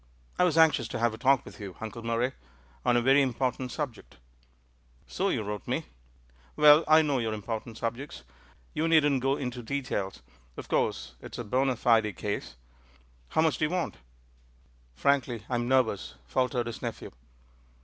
"I was anxious to have a talk with you. Uncle Murray, on a very important subject." "So you wrote me. Well, I know your im portant subjects; you needn't go into details; of 2.59 ^60 THE MAN WHO UNDERSTOOD WOMEN course it's a bona fide case. How much do you want?" "Frankly, I am nervous," faltered his nephew.